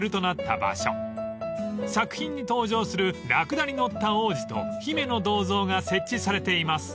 ［作品に登場するラクダに乗った王子と姫の銅像が設置されています］